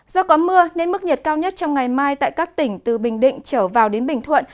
do có mưa nên mức nhiệt cao nhất trong ngày mai tại các tỉnh từ bình định trở vào đến bình thuận